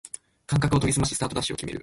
感覚を研ぎすましスタートダッシュを決める